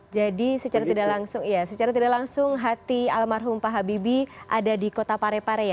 jadi secara tidak langsung hati almarhum pak habibie ada di kota pare pare ya